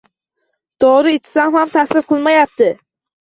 Dori ichsam ham ta'sir qilmayapti.